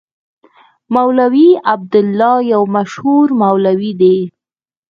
مولوي عبیدالله یو مشهور مولوي دی.